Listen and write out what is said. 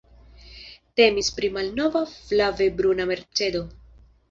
Temis pri malnova flave bruna Mercedo.